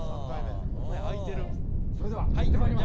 それでは行ってまいります。